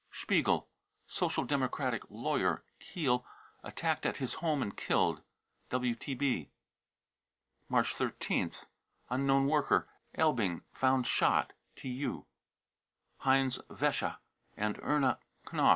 spiegel, Social Democratic lawyer, Kiel, attacked at his home and killed. (WTB.) March 13th. unknown worker, Elbing, found shot. (TU.) heinz wesche and erna knoth.